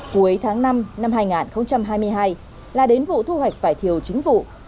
cuối tháng năm năm hai nghìn hai mươi hai là đến vụ thu hoạch vải thiều chính vụ